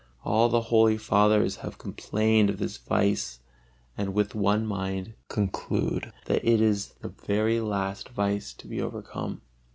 All the holy Fathers have complained of this vice and with one mind conclude that it is the very last vice to be overcome.